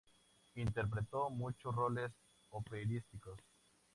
Interpretó muchos roles operísticos.